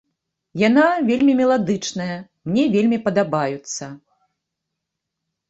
Яна вельмі меладычныя, мне вельмі падабаюцца.